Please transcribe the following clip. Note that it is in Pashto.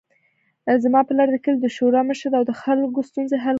زما پلار د کلي د شورا مشر ده او د خلکو ستونزې حل کوي